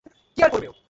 কী আর করবে ও?